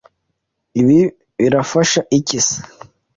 Ibi birafasha iki se